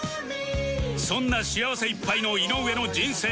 そんな幸せいっぱいの井上の人生